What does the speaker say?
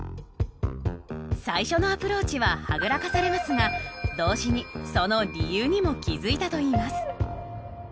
最初のアプローチははぐらかされますが同時にその理由にも気付いたといいます。